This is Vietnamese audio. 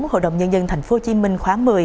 hội đồng nhân dân tp hcm khóa một mươi